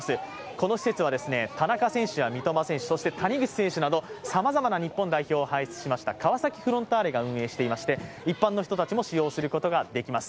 この施設は、田中選手や三笘選手、そして谷口選手などさまざま日本代表を輩出しました川崎フロンターレが運営していまして、一般の人たちも使用することができます。